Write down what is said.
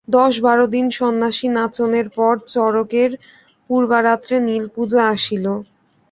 দশ বারো দিন সন্ন্যাসী-নাচনের পর চড়কের পূর্বরাত্রে নীলপূজা আসিল।